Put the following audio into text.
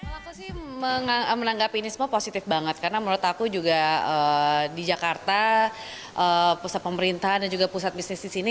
kalau aku sih menanggapi ini semua positif banget karena menurut aku juga di jakarta pusat pemerintahan dan juga pusat bisnis di sini